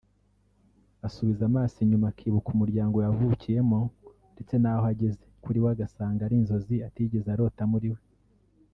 Asubiza amaso inyuma akibuka umuryango yavukiyemo ndetse n’aho ageze kuriwe agasanga ari inzozi atigeze arota muri we